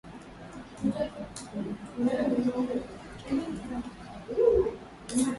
naltreksoniVipingiti vya opioidi kama vile naltreksoni na nalmefeni pia